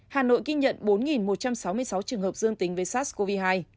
hà nội ghi nhận bốn một trăm sáu mươi sáu trường hợp dương tính với sars cov hai